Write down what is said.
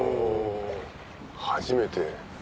初めて。